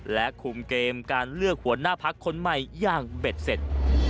และคุมเกมการเลือกหัวหน้าพักคนใหม่อย่างเบ็ดเสร็จ